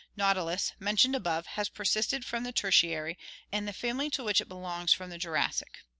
Nautilus, mentioned above, has persisted from the Tertiary, and the family to which it belongs from the Jurassic.